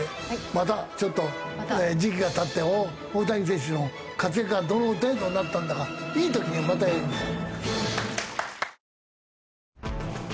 またちょっと時期が経って大谷選手の活躍がどの程度になったんだかいい時にまたやりましょう。